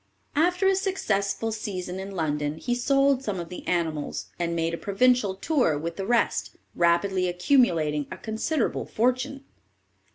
After a successful season in London, he sold some of the animals, and made a provincial tour with the rest, rapidly accumulating a considerable fortune."